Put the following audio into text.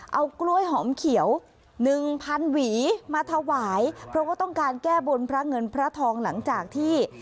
เอากล้วยหอมเขียวหนึ่งพันหวีมาถวายเพราะว่าต้องการแก้บนพระเงินพระทองหลังจากที่